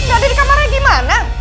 ada di kamarnya gimana